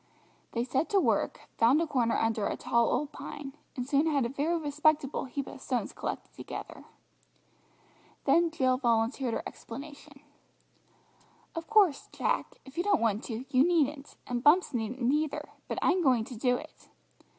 They set to work, found a corner under a tall old pine, and soon had a very respectable heap of stones collected together. Then Jill volunteered her explanation. "Of course, Jack, if you don't want to, you needn't, and Bumps needn't either, but I'm going to do it.